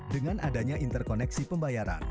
dengan adanya interkoneksi pembayaran